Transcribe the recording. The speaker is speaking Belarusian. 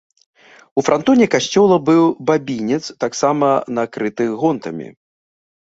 У франтоне касцёла быў бабінец, таксама накрыты гонтамі.